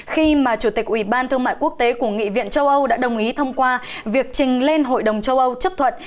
khi mà chủ tịch ủy ban thương mại quốc tế của nghị viện châu âu đã đồng ý thông qua việc trình lên hội đồng châu âu chấp thuận